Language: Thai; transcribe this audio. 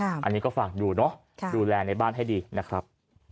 อันนี้ก็ฝากดูเนาะดูแลในบ้านให้ดีนะครับ